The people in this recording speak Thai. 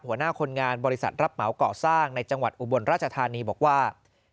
หัวหน้าคนงานบริษัทรับเหมาก่อสร้างในจังหวัดอุบลราชธานีบอกว่า